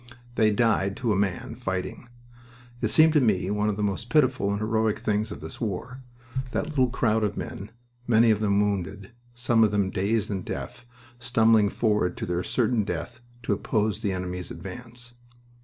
They died to a man, fighting. It seemed to me one of the most pitiful and heroic things of this war, that little crowd of men, many of them wounded, some of them dazed and deaf, stumbling forward to their certain death to oppose the enemy's advance.